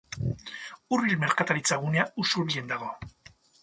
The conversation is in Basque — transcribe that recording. Urbil merkataritza-gunea Usurbilen dago.